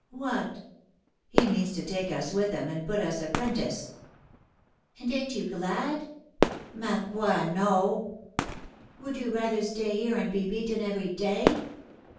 "What?" "He means to take us with him, and put us apprentice." "And ain't you glad?" "Ma foi, no!" "Would you rather stay here and be beaten every day?"